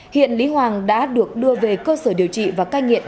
hiện lý hoàng đã được đưa về cơ sở điều trị và cai nghiện